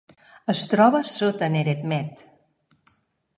Es troba sota Neredmet.